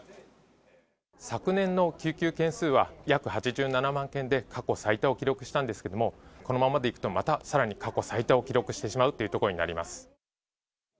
昨年の救急件数は約８７万件で過去最多を記録したんですけれども、このままでいくと、またさらに過去最多を記録してしまうっていうところになります。